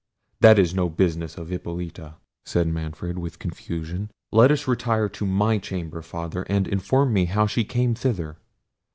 "That is no business of Hippolita," said Manfred with confusion; "let us retire to my chamber, Father, and inform me how she came thither."